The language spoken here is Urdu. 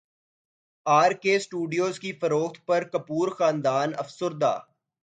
ار کے اسٹوڈیوز کی فروخت پر کپور خاندان افسردہ